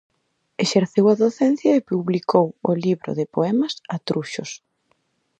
Exerceu a docencia e publicou o libro de poemas "Atruxos".